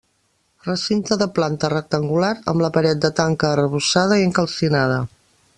Recinte de planta rectangular, amb la paret de tanca arrebossada i encalcinada.